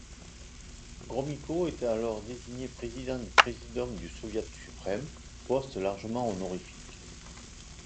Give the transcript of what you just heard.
Gromyko est alors désigné président du præsidium du Soviet suprême, poste largement honorifique.